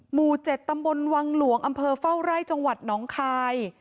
หมู่๗ตำบลวังหลวงอำเภอเฝ้าไร่จังหวัดน้องคาย